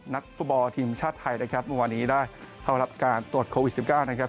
นักฟุตบอลทีมชาติไทยนะครับเมื่อวานี้ได้เข้ารับการตรวจโควิด๑๙นะครับ